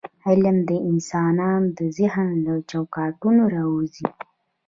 علم د انساني ذهن له چوکاټونه راووځي.